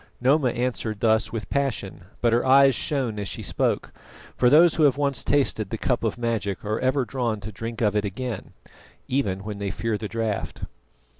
Noma answered thus with passion, but her eyes shone as she spoke: for those who have once tasted the cup of magic are ever drawn to drink of it again, even when they fear the draught.